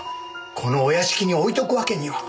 このお屋敷に置いておくわけには。